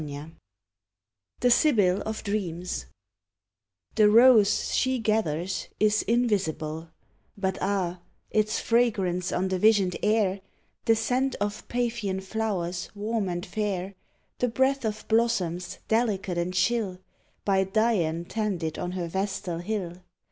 89 THE SIBYL OF DREAMS The rose she gathers is invisible, But ah I its fragrance on the visioned air — The scent of Paphian flowers warm and fair; The breath of blossoms delicate and chill, By Dian tended on her vestal hill.